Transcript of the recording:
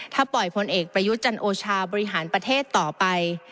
ถ้าปล่อยพลเอกประยุทธ์จันโอชาบริหารประเทศต่อไป